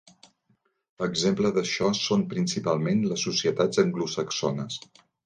Exemple d'això són principalment les societats anglosaxones.